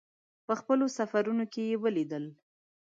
په خپلو سفرونو کې یې ولیدل.